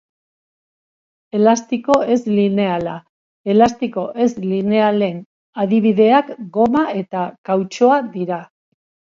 Elastiko ez-lineala: Elastiko ez-linealen adibideak goma eta kautxua dira.